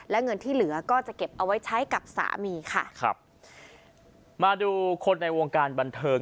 และเงินที่เหลือก็จะเก็บเอาไว้ใช้กับสามีค่ะครับมาดูคนในวงการบันเทิง